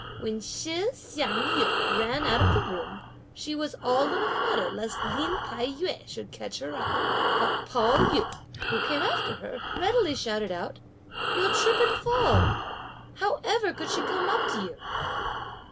When Shih Hsiang yün ran out of the room, she was all in a flutter lest Lin Tai yü should catch her up; but Pao yü, who came after her, readily shouted out, "You'll trip and fall. How ever could she come up to you?"